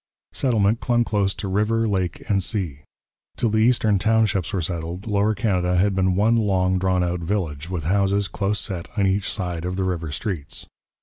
Settlement clung close to river, lake, and sea. Till the Eastern Townships were settled, Lower Canada had been one long drawn out village with houses close set on each side of the river streets.